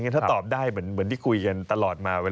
ถ้าตอบได้เหมือนที่คุยกันตลอดมา